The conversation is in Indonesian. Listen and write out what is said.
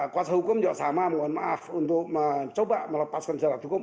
kuasa hukum juga sama mohon maaf untuk mencoba melepaskan syarat hukum